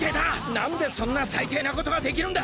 なんでそんなさいていなことができるんだ！